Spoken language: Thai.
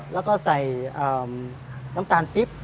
แล้วก็ใส่น้ำตาลปิ๊บ